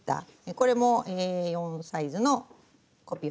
これもＡ４サイズのコピー用紙です。